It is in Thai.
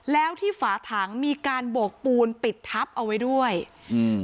แล้วที่ฝาถังมีการโบกปูนปิดทับเอาไว้ด้วยอืม